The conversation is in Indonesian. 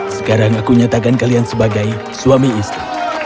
sekarang aku nyatakan kalian sebagai suami istri